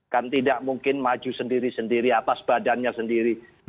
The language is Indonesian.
kan tidak mungkin maju sendiri sendiri atas badannya sendiri